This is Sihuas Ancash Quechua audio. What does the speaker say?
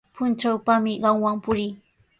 Puntrawpami qamwan purii.